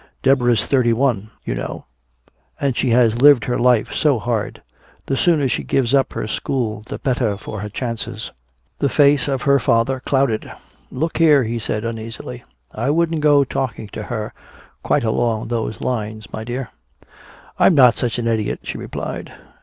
Deborah's thirty one, you know, and she has lived her life so hard. The sooner she gives up her school the better for her chances." The face of her father clouded. "Look here," he said uneasily, "I wouldn't go talking to her quite along those lines, my dear." "I'm not such an idiot," she replied.